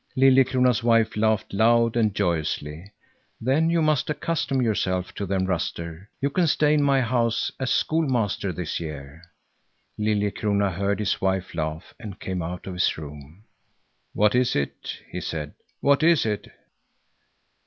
Liljekrona's wife laughed loud and joyously. "Then you must accustom yourself to them, Ruster. You can stay in my house as schoolmaster this year." Liljekrona heard his wife laugh and came out of his room. "What is it?" he said. "What is it?"